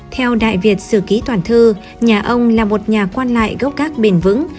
theo đại việt sử ký toàn thư nhà ông là một nhà quan lại gốc gác bền vững